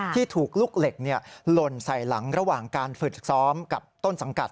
ที่ถูกลูกเหล็กหล่นใส่หลังระหว่างการฝึกซ้อมกับต้นสังกัด